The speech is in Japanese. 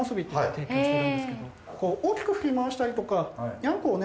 大きく振り回したりとかにゃんこをね